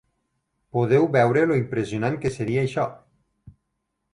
Podeu veure lo impressionant que seria això.